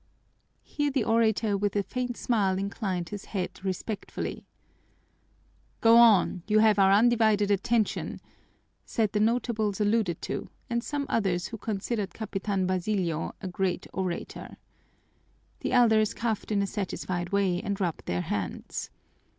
Here the orator with a faint smile inclined his head respectfully. "Go on, you have our undivided attention!" said the notables alluded to and some others who considered Capitan Basilio a great orator. The elders coughed in a satisfied way and rubbed their hands.